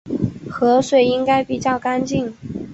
河水应该比较干净